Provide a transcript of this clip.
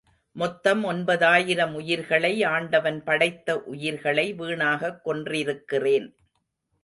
மொத்தம் ஒன்பதாயிரம் உயிர்களை ஆண்டவன் படைத்த உயிர்களை, வீணாகக் கொன்றிருக்கிறேன்.